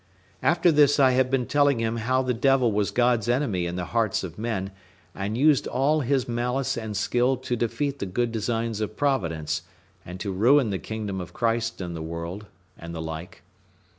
After this I had been telling him how the devil was God's enemy in the hearts of men, and used all his malice and skill to defeat the good designs of Providence, and to ruin the kingdom of Christ in the world, and the like.